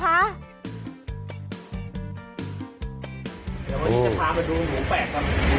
เดี๋ยววันนี้จะพามาดูหมูแปดครับ